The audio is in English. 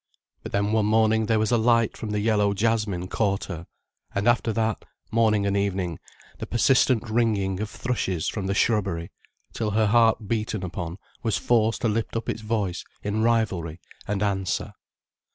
But then one morning there was a light from the yellow jasmine caught her, and after that, morning and evening, the persistent ringing of thrushes from the shrubbery, till her heart, beaten upon, was forced to lift up its voice in rivalry and answer.